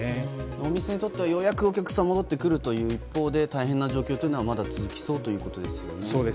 お店にとってはようやくお客さんが戻ってくる一方で大変な状況はまだ続きそうということですね。